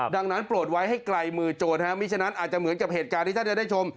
ดังนั้นโปรดไว้ให้ไกลมือโจรมีฉะนั้นอาจจะเหมือนกับเหตุการณ์ที่ท่านจะได้ชม